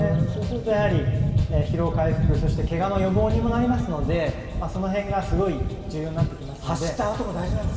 そうすると疲労回復けがの予防にもなりますのでその辺がすごい重要になってきます。